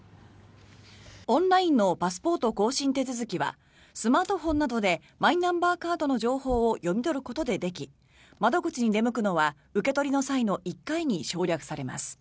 オンラインのパスポート更新手続きはスマートフォンなどでマイナンバーカードの情報を読み取ることででき窓口に出向くのは受け取りの際の１回に省略されます。